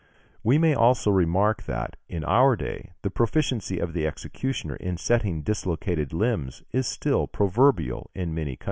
We may also remark that, in our day, the proficiency of the executioner in setting dislocated limbs is still proverbial in many countries.